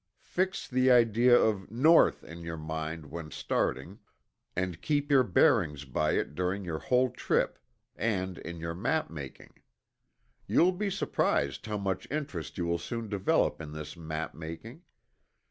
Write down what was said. Fix the idea of "North" in your mind when starting, and keep your bearings by it during your whole trip, and in your map making. You will be surprised how much interest you will soon develop in this map making.